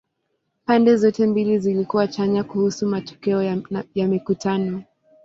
Pande zote mbili zilikuwa chanya kuhusu matokeo ya mikutano.